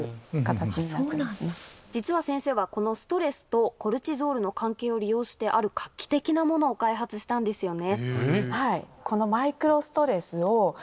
実は先生はこのストレスとコルチゾールの関係を利用してある画期的なものを開発したんですよね。